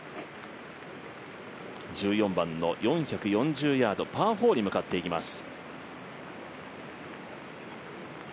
１４番の４４０ヤードパー４に向かって行きます。